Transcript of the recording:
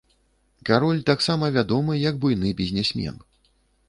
Кароль таксама вядомы як буйны бізнесмен.